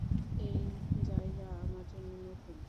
এই জায়গা আমার জন্য নতুন।